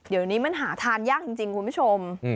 เดี๋ยวนี้มันหาทานยากจริงคุณผู้ชม